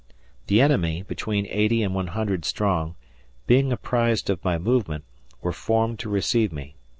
The enemy (between 80 and 100 strong), being apprised of my movement, were formed to receive me.